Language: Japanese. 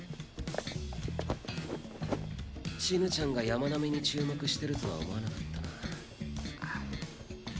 ちぬちゃんが山南に注目してるとは思わなかったな。